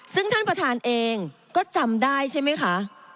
ซึ่งท่านประธานเองก็จำได้ใช่ไหมคะ